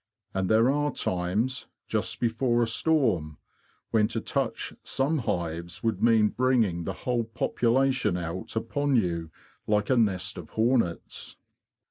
And there are times, just before a storm, when to touch some hives would mean bringing the whole population out upon you like a nest of hornets."